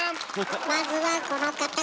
まずはこの方から。